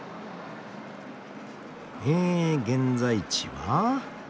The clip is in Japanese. え現在地は？